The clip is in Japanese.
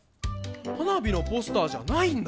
花火のポスターじゃないんだ。